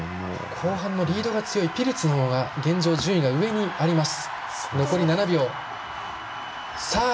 後半のリードが強いピルツの方が現状、順位が上にいます。